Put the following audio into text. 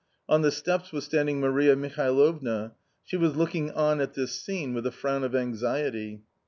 On the steps was standing Maria Mihalovna. She was looking on at this scene with a frown of anxiety.